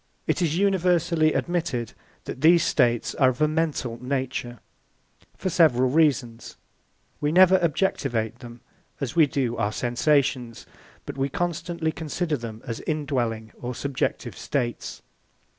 It is universally admitted that these states are of a mental nature, for several reasons. (1) We never objectivate them as we do our sensations, but we constantly consider them as indwelling or subjective states.